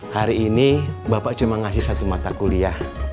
hari ini bapak cuma ngasih satu mata kuliah